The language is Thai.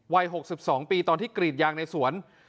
วัย๖๒ปีตอนที่กรีดยางในสวน